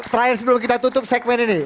terakhir sebelum kita tutup segmen ini